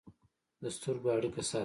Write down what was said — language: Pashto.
د سترګو اړیکه ساتل